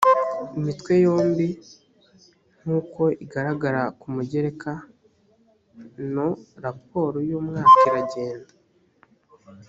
imitwe yombi nk uko igaragara ku mugereka no raporo y umwaka iragenda